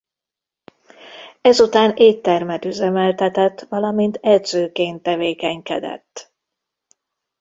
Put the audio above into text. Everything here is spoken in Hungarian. Ezután éttermet üzemeltetett valamint edzőként tevékenykedett.